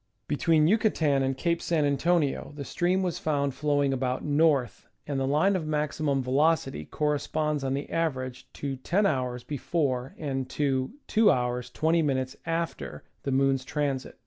Between Yucatan and Cape San Antonio the stream was found flowing about north, and the line of maximum velocity corresponds on the average to lO'' before and to 2'^ 20"' after the moon's tran sit.